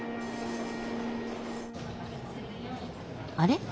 あれ？